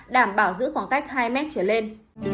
đảm bảo giữ khoảng cách hai m trở lên